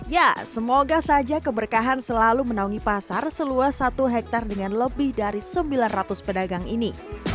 ya semoga saja keberkahan selalu menaungi pasar seluas satu hektare dengan lebih dari sembilan ratus pedagang ini